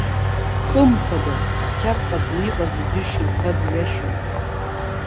Хымԥада, зқьаф ҟаҵаны иҟаз аӡәы ишеиҭаз ҩашьом!